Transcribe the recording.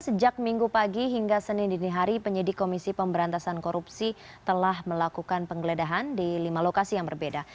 sejak minggu pagi hingga senin dini hari penyidik komisi pemberantasan korupsi telah melakukan penggeledahan di lima lokasi yang berbeda